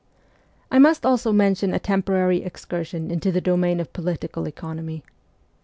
I must also mention a temporary excursion into the domain of political economy.